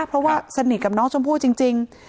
เพราะว่าสนิทกับน้องชมพู่จริง